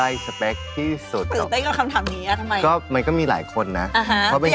เลือกมาคนหนึ่ง